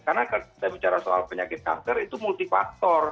karena kalau kita bicara soal penyakit kanker itu multi faktor